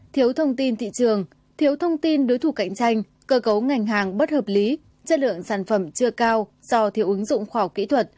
thiếu thông tin thị trường thiếu thông tin đối thủ cạnh tranh cơ cấu ngành hàng bất hợp lý chất lượng sản phẩm chưa cao do thiếu ứng dụng khoa học kỹ thuật